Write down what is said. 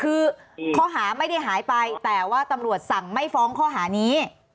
คือข้อหาไม่ได้หายไปแต่ว่าตำรวจสั่งไม่ฟ้องข้อหานี้